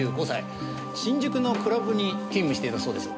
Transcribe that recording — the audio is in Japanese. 新宿のクラブに勤務していたそうです。